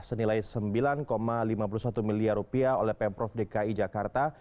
senilai sembilan lima puluh satu miliar rupiah oleh pemprov dki jakarta